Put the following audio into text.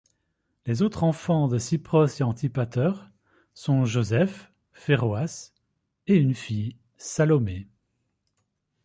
Les autres enfants de Cypros et Antipater sont Joseph, Phéroas, et une fille, Salomé.